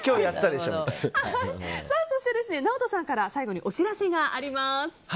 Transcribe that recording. そしてＮＡＯＴＯさんから最後にお知らせがあります。